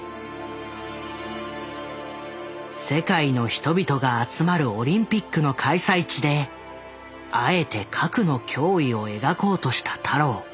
世界の人々が集まるオリンピックの開催地であえて核の脅威を描こうとした太郎。